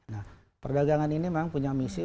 nah perdagangan ini memang punya misi